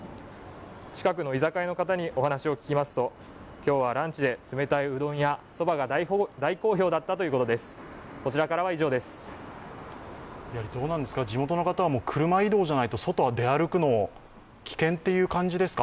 近くの居酒屋の方にお話を聞きますと今日はランチで冷たいうどんやそばが大好評だったということです。